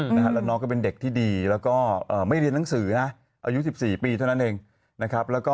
มีการช่วยเหลือน้องยังไงบ้างตอนนี้